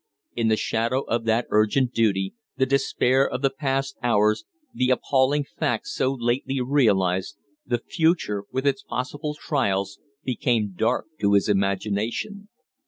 In the shadow of that urgent duty, the despair of the past hours, the appalling fact so lately realized, the future with its possible trials, became dark to his imagination.